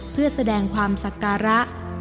เพื่อแสดงความสักการะ